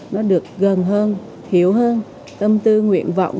nó được gần hơn hiểu hơn tâm tư nguyện vọng